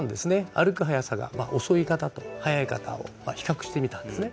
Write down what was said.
歩く速さが遅い方と速い方を比較してみたんですね